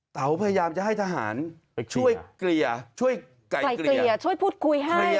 เต๋าพยายามจะให้ทหารช่วยเกลี่ยช่วยไกลเกลี่ยช่วยพูดคุยให้